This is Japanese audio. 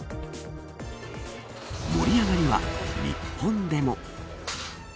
盛り上がりは日本でも。